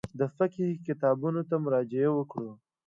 د فقهي کتابونو ته مراجعه وکړو.